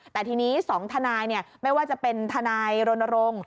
แต่ทีนี้๒ทนายไม่ว่าจะเป็นทนายรณรงค์